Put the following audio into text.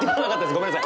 ごめんなさい。